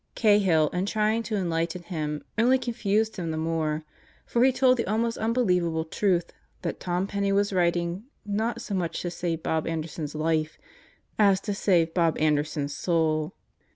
Cahill, in trying to enlighten him, only confused him the more, for he told the almost unbelievable truth that Tom Penney was writing not so much to save Bob Ander son's life as to save Bob Anderson's soul.